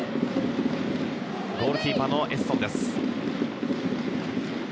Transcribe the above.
ゴールキーパーはエッソンです。